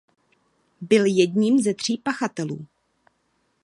Byl jedním ze tří pachatelů.